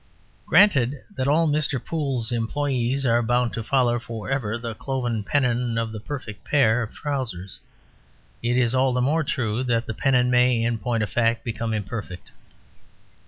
Granted that all Mr. Poole's employees are bound to follow for ever the cloven pennon of the Perfect Pair of Trousers, it is all the more true that the pennon may, in point of fact, become imperfect.